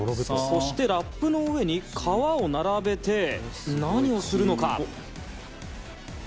そしてラップの上に皮を並べて何をするのか？